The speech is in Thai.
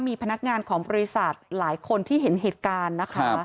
มีพนักงานของบริษัทหลายคนที่เห็นเหตุการณ์นะคะ